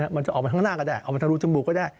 มันจะออกมาข้างหน้าก็ได้ออกมาทางรูจมูกก็ได้